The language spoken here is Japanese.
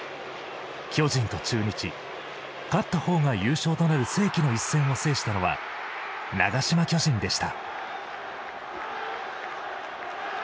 巨人と中日、勝った方が優勝となる世紀の一戦を制したのは長嶋巨人でした。